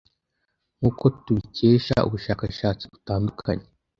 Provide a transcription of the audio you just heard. Nkuko tubikesha ubushakashatsi butandukanye